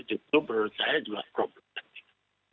itu menurut saya juga problematik